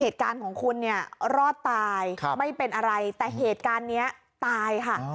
เหตุการณ์ของคุณเนี่ยรอดตายไม่เป็นอะไรแต่เหตุการณ์นี้ตายค่ะ